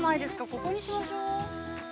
ここにしましょう。